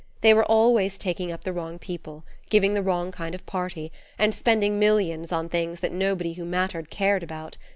They were always taking up the wrong people, giving the wrong kind of party, and spending millions on things that nobody who mattered cared about.